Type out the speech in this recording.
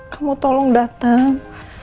kamu tolong datang